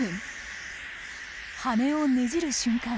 羽をねじる瞬間